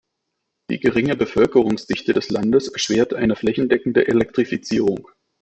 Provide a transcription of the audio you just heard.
Die geringe Bevölkerungsdichte des Landes erschwert eine flächendeckende Elektrifizierung.